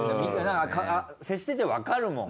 接しててわかるもん。